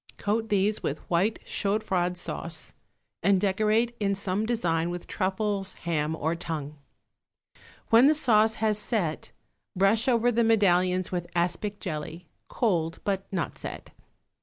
Coat these with white chaud froid sauce and decorate in some design with truffles, ham or tongue. When the sauce has set, brush over the medallions with aspic jelly, cold but not set.